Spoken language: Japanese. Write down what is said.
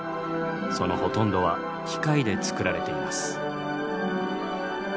そのほとんどは機械で造られています。